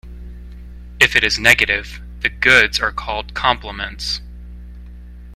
If it is negative, the goods are called complements.